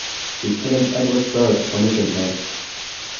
Lieutenant Edward Burt commissioned her.